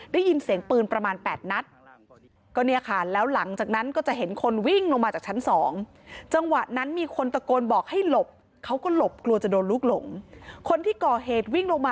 ได้ยินเสียงปืนประมาณ๘นัท